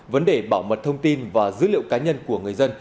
vấn đề bảo mật thông tin và dữ liệu cá nhân của người dân